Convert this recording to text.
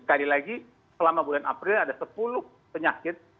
sekali lagi selama bulan april ada sepuluh penyakit